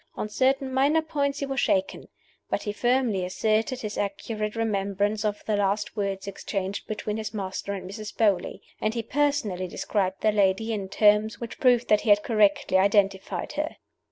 On certain minor points he was shaken. But he firmly asserted his accurate remembrance of the last words exchanged between his master and Mrs. Beauly; and he personally described the lady in terms which proved that he had corruptly identified her.